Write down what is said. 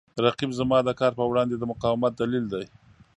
رقیب زما د کار په وړاندې د مقاومت دلیل دی